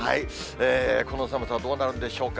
この寒さ、どうなるんでしょうか。